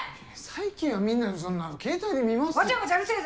最近はみんなその携帯で見ますよ。